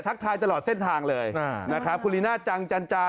ทายตลอดเส้นทางเลยนะครับคุณลีน่าจังจันจา